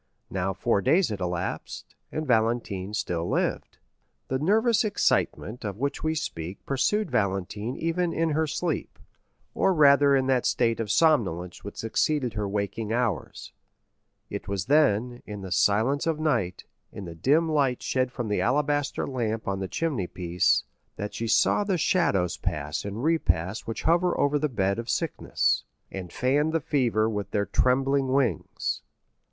Now four days had elapsed, and Valentine still lived. The nervous excitement of which we speak pursued Valentine even in her sleep, or rather in that state of somnolence which succeeded her waking hours; it was then, in the silence of night, in the dim light shed from the alabaster lamp on the chimney piece, that she saw the shadows pass and repass which hover over the bed of sickness, and fan the fever with their trembling wings.